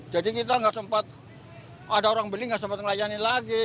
jadi kita nggak sempat ada orang beli nggak sempat ngelayani lagi